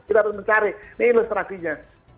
kita harus mencari ini ilustrasinya